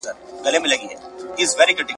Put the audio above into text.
د کور په کار تر سره کولو سره